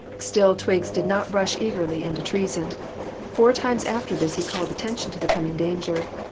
Still Twiggs did not rush eagerly into treason. Four times after this he called attention to the coming danger.